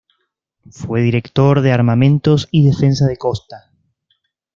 Fue Director de Armamentos y Defensa de Costa.